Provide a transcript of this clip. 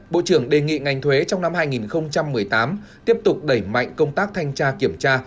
bộ trưởng đề nghị ngành thuế trong năm hai nghìn một mươi tám tiếp tục đẩy mạnh công tác thanh tra kiểm tra